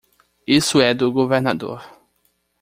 Isso é do governador.